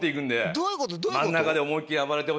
どういうこと？